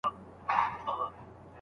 استاد یوازي د لارښود دنده پر غاړه لري.